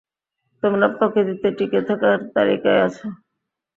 তোমরা প্রকৃতিতে টিকে থাকার তালিকায় আছো।